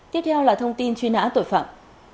tiếp theo là thông tin truy nã tội phạm